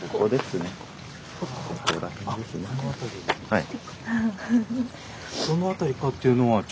はい。